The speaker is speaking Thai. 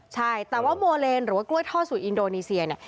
ใช่แต่ว่าโมเลนหรือว่ากล้วยทอดสู่อินโดนีเซียเนี่ย